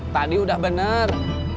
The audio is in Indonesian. tadi udah benar